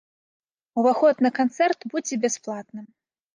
Уваход на канцэрт будзе бясплатным.